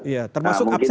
ya termasuk absensi ya